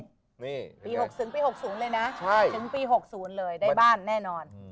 นี่ปี๖๐ปี๖๐เลยนะถึงปี๖๐เลยได้บ้านแน่นอน